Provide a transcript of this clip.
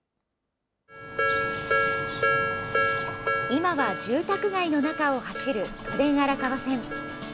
今は住宅街の中を走る都電荒川線。